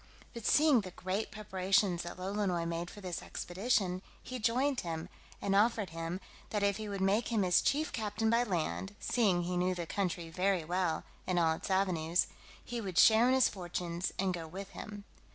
But seeing the great preparations that Lolonois made for this expedition, he joined him, and offered him, that if he would make him his chief captain by land (seeing he knew the country very well, and all its avenues) he would share in his fortunes, and go with him.